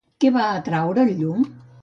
Què va atraure el llum?